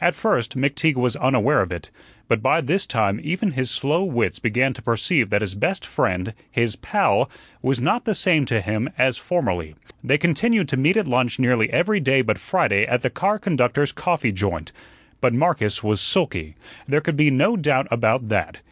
At first McTeague was unaware of it; but by this time even his slow wits began to perceive that his best friend his "pal" was not the same to him as formerly. They continued to meet at lunch nearly every day but Friday at the car conductors' coffee joint. But Marcus was sulky; there could be no doubt about that.